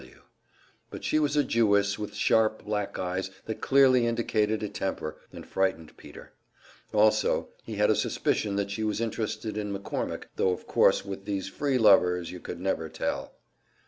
W.; but she was a Jewess, with sharp, black eyes that clearly indicated a temper, and frightened Peter. Also, he had a suspicion that she was interested in McCormick tho of course with these "free lovers" you could never tell.